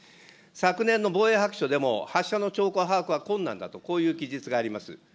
昨年度の防衛白書でも発射の兆候把握は困難だとこういう記述があります。